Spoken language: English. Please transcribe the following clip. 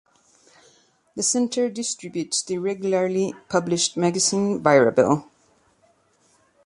The center distributes the irregularly published magazine "Vajra Bell".